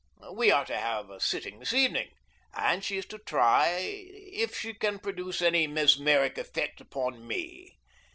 We are to have a sitting this evening, and she is to try if she can produce any mesmeric effect upon me.